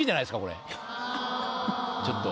ちょっと。